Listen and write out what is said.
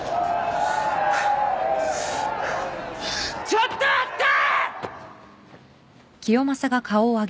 ちょっと待った！